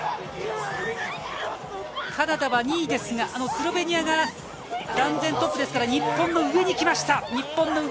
カナダは２位ですが、スロベニアが断然トップですから、日本の上にきました。